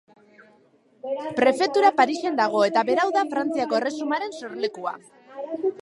Prefetura Parisen dago eta berau da Frantziako Erresumaren sorlekua.